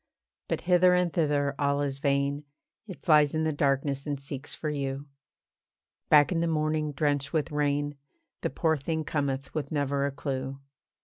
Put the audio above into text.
But hither and thither all is vain, It flies in the darkness, and seeks for you. Back in the morning, drenched with rain, The poor thing cometh with never a clue.